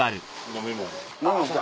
飲み物来た。